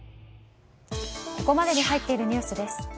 ここまでに入っているニュースです。